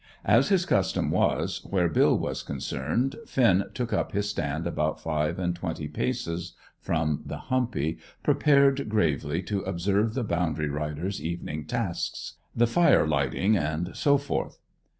As his custom was, where Bill was concerned, Finn took up his stand about five and twenty paces from the humpy, prepared gravely to observe the boundary rider's evening tasks: the fire lighting, and so forth.